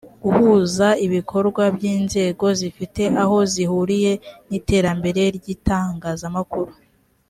guhuza ibikorwa by inzego zifite aho zihuriye n iterambere ry itangazamakuru